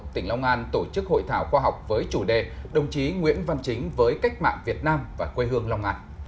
tỉnh long an tổ chức hội thảo khoa học với chủ đề đồng chí nguyễn văn chính với cách mạng việt nam và quê hương long an